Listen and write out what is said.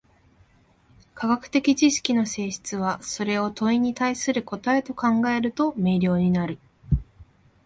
科学的知識の性質は、それを問に対する答と考えると明瞭になる。